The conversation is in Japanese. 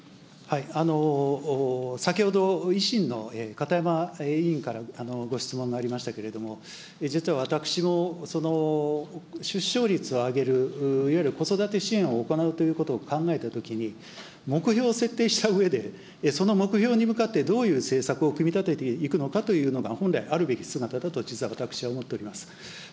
先ほど、維新の片山委員からご質問がありましたけれども、実は私もその出生率を上げる、いわゆる子育て支援を行うということを考えたときに、目標を設定したうえで、その目標に向かってどういう政策を組み立てていくのかというのが、本来あるべき姿だと、実は私は思っております。